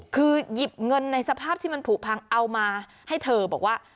คือหยิบเงินในสภาพที่มันผูกพังเอามาให้เธอบอกว่า